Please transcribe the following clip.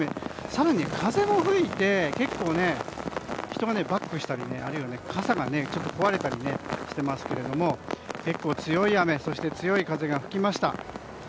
更に風も吹いて結構、人がバックしたりあるいは傘が壊れたりしてますけども結構強い雨、そして強い風が吹きました。